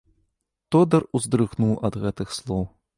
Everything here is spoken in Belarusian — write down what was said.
Тодар уздрыгнуў ад гэтых слоў.